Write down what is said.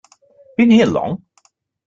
Been here long?